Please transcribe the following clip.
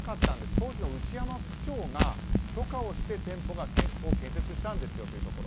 当時の内山区長が許可をして店舗を建設したんですよというところ。